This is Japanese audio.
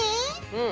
うん！